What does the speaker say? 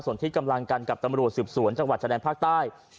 ส่วนที่กำลังกันกับตำรวจสืบสวนจังหวัดชะแดนภาคใต้